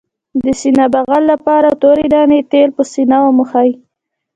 د سینې بغل لپاره د تورې دانې تېل په سینه ومښئ